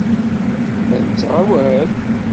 La nettɣawal?